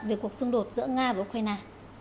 về cuộc xung đột giữa nga và ukraine